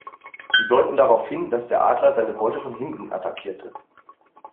Sie deuten darauf hin, dass der Adler seine Beute von hinten attackierte.